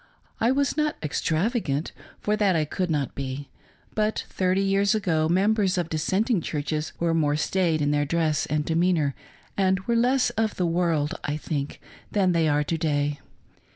I was not extravagant, for that I could not be ; but thirty years ago members of .dissenting churches were more staid in their dress and demeanor and were less of the world, I think, than they are to day.